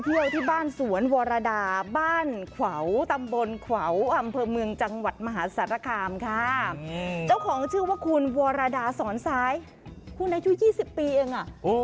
คุณวรดาสอนซ้ายคุณในช่วง๒๐ปีเอง